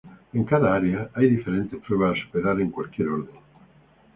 En cada área hay diferentes pruebas a superar en cualquier orden.